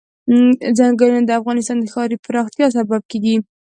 ځنګلونه د افغانستان د ښاري پراختیا سبب کېږي.